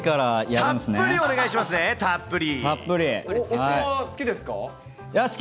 たっぷりお願いしますね、たっぷり。